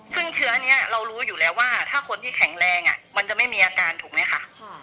ซึ่งเชื้อนี้เรารู้อยู่แล้วว่าถ้าคนที่แข็งแรงมันจะไม่มีอาการถูกไหมคะ